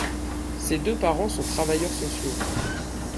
Ses deux parents sont travailleurs sociaux.